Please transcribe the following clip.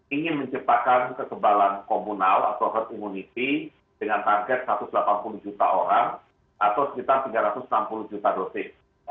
ingin menciptakan kekebalan komunal atau herd immunity dengan target satu ratus delapan puluh juta orang atau sekitar tiga ratus enam puluh juta dosis